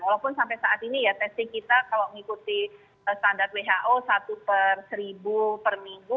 walaupun sampai saat ini ya testing kita kalau mengikuti standar who satu per seribu per minggu